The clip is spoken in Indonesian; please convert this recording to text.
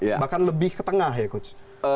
bahkan lebih ke tengah ya coach